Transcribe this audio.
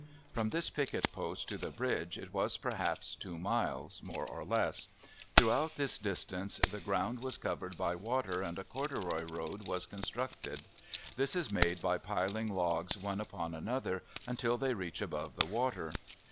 From this picket post to the bridge it was perhaps two miles, more or less. Throughout this distance the ground was covered by water and a corduroy road was constructed. This is made by piling logs one upon another until they reach above the water.